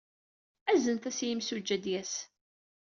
Aznet-as i yimsujji, ad d-yas.